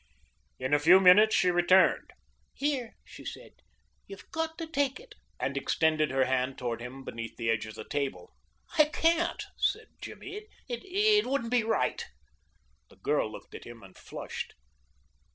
In a few minutes she returned. "Here," she said, "you've got to take it," and extended her hand toward him beneath the edge of the table. "I can't," said Jimmy. "It wouldn't be right." The girl looked at him and flushed.